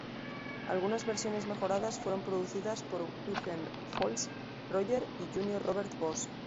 Algunas versiones mejoradas fueron producidas por Wilhelm Holtz, Roger y J. Robert Voss.